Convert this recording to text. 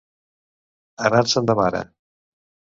Anar-se'n de mare.